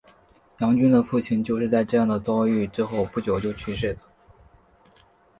杨君的父亲就是在这样的遭遇之后不久就去世的。